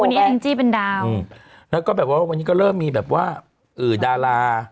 วันนี้แองจี้เป็นดาวแล้วก็แบบว่าวันนี้ก็เริ่มมีแบบว่าเอ่อดารา